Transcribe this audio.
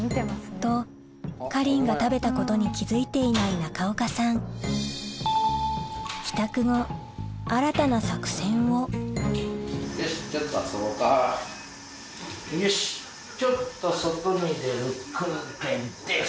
とかりんが食べたことに気付いていない中岡さん帰宅後新たな作戦をよしちょっと。